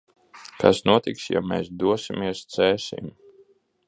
Kas notiks, ja mēs dosimies Cēsīm?